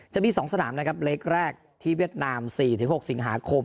จะมี๒สนามนะครับเล็กแรกที่เวียดนาม๔๖สิงหาคม